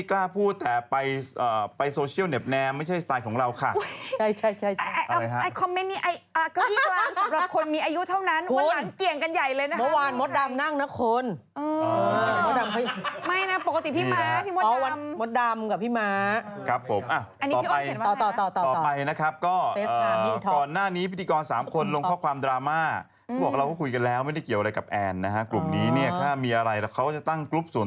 ล่าสุดคุณแอนก็บอกว่าเค้าไม่ได้มีปัญหาอะไรกันเลย